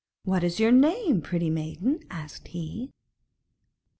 'What is your name, pretty maiden?' asked he.